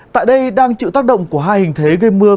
tại đây đang chịu tác động của hai hình thế gây mưa